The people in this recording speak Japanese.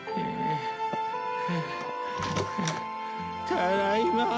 ただいま。